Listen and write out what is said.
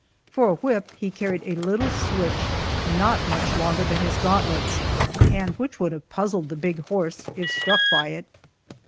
For a whip he carried a little switch not much longer than his gauntlets, and which would have puzzled the big horse, if struck by it.